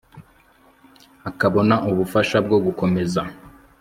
akabona ubufasha bwo gukomeza